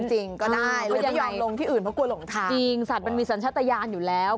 จริงสัตว์มีสัญญะชะตาอย่างอยู่แล้ว